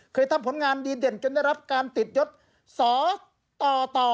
ทำผลงานดีเด่นจนได้รับการติดยศสต่อ